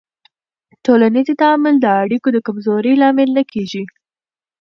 ټولنیز تعامل د اړیکو د کمزورۍ لامل نه کېږي.